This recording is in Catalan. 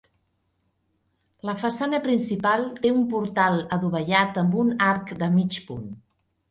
La façana principal té un portal adovellat amb un arc de mig punt.